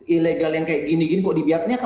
ilegal yang kayak gini gini kok dibiarkan ini akan